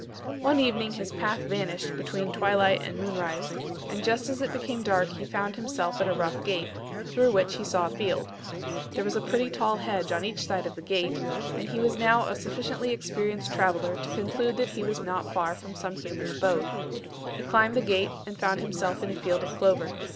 One evening his path vanished between twilight and moonrise, and just as it became dark he found himself at a rough gate, through which he saw a field. There was a pretty tall hedge on each side of the gate, and he was now a sufficiently experienced traveller to conclude that he was not far from some human abode. He climbed the gate and found himself in a field of clover.